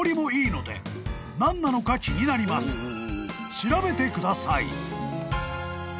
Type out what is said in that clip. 「調べてください」